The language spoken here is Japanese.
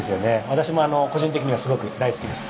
私も個人的にはすごく大好きです。